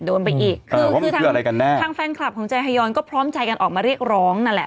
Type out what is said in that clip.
โดนไปอีกคือคือทางแฟนคลับของใจฮายอนก็พร้อมใจกันออกมาเรียกร้องนั่นแหละ